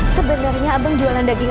sebenernya abang jualan daging